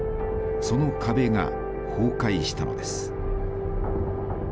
その壁が崩壊したのです。